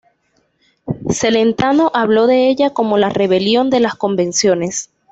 Celentano habló de ella como ""la rebelión de las convenciones.